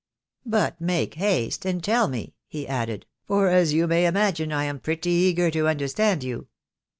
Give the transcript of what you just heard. "But make haste, and tell me," he added, " for, as you may imagine, I am pretty eager to understand you."